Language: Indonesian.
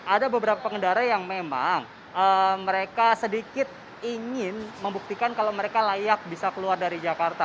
ada beberapa pengendara yang memang mereka sedikit ingin membuktikan kalau mereka layak bisa keluar dari jakarta